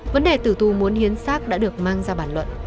vấn đề tử thù muốn hiến xác đã được mang ra bản luận